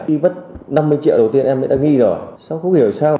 khi vất năm mươi triệu đầu tiên em đã nghi rồi xong không hiểu sao